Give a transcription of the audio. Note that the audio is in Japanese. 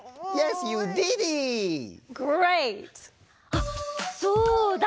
あっそうだ！